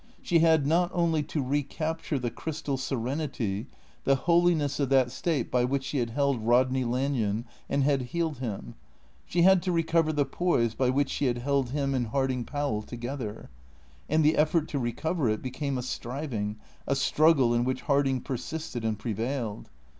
She had not only to recapture the crystal serenity, the holiness of that state by which she had held Rodney Lanyon and had healed him; she had to recover the poise by which she had held him and Harding Powell together. And the effort to recover it became a striving, a struggle in which Harding persisted and prevailed.